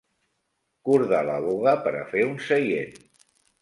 Cordar la boga per a fer un seient.